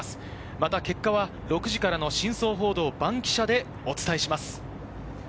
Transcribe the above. また結果は６時からの『真相報道バンキシャ！』でお伝えします。